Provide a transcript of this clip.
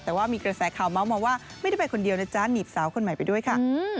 แต่ว่ามีกระแสข่าวเมาส์มาว่าไม่ได้ไปคนเดียวนะจ๊ะหนีบสาวคนใหม่ไปด้วยค่ะ